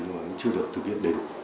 nhưng mà cũng chưa được thực hiện